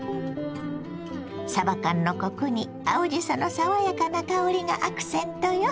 さば缶のコクに青じその爽やかな香りがアクセントよ。